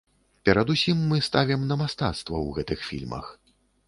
Перадусім мы ставім на мастацтва ў гэтых фільмах.